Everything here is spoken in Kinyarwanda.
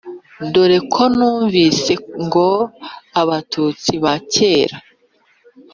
dore ko twumvise ngo abatutsi ba cyera